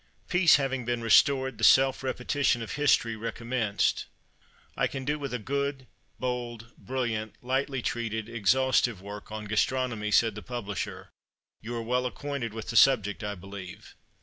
Peace having been restored, the self repetition of history recommenced. "I can do with a good, bold, brilliant, lightly treated, exhaustive work on Gastronomy," said the publisher, "you are well acquainted with the subject, I believe?"